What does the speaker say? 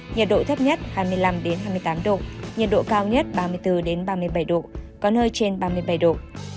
nhiệt độ thấp nhất hai mươi năm hai mươi tám độ nhiệt độ cao nhất ba mươi bốn ba mươi bảy độ có nơi trên ba mươi bảy độ